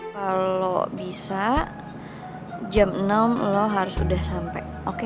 kalo bisa jam enam lu harus udah sampe oke